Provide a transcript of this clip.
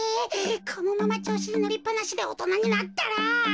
このままちょうしにのりっぱなしでおとなになったら。